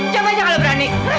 coba aja kalau berani